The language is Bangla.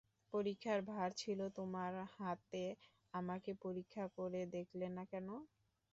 পরীক্ষার ভার ছিল তোমার হাতে, আমাকে পরীক্ষা করে দেখলে না কেন?